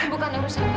itu bukan urusan kamu